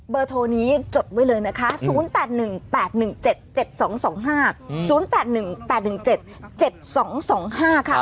เบอร์โทรนี้จดไว้เลยนะคะ